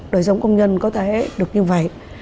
đời sống công nhân có thể được như vậy